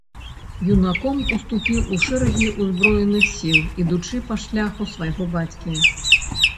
Юнаком уступіў у шэрагі ўзброеных сіл, ідучы па шляху свайго бацькі.